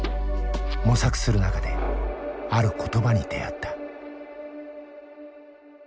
模索する中である言葉に出会った。